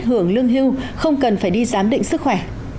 hưởng lương hưu không cần phải đi giám định sức khỏe